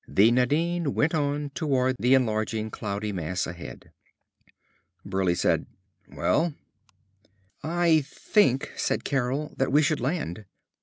The Nadine went on toward the enlarging cloudy mass ahead. Burleigh said; "Well?" "I think," said Carol, "that we should land.